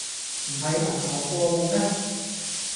唔係銀行過戶咩?